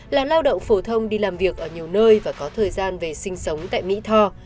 làm lao động phổ thông đi làm việc ở nhiều nơi và có thời gian về sinh sống tại mỹ tho